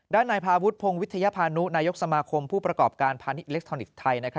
นายพาวุฒิพงศ์วิทยาพานุนายกสมาคมผู้ประกอบการพาณิชอิเล็กทรอนิกส์ไทย